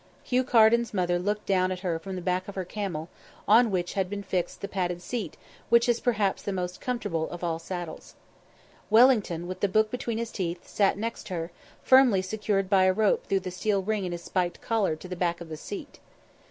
Hugh Carden's mother looked down at her from the back of her camel, on which had been fixed the padded seat which is perhaps the most comfortable of all saddles. Wellington, with the book between his teeth, sat next her, firmly secured by a rope through the steel ring in his spiked collar to the back of the seat.